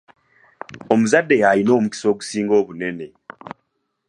Omuzadde y'alina omukisa ogusinga obunene.